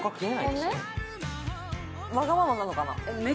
わがままなのかな？